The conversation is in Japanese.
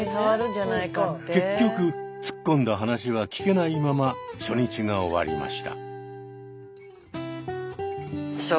結局突っ込んだ話は聞けないまま初日が終わりました。